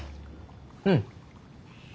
うん。